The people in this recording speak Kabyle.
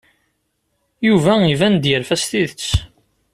Yuba iban-d yerfa s tidet.